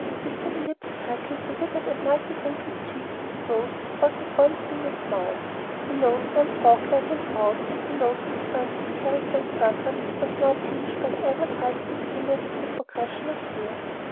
The thin lips crackled the withered and multi wrinkled cheeks in the ghost of what had once been a smile. The nose, once hawk like and proud and denoting strength of character and purpose, was now pinched by the ever tightening fingers of a progression of years.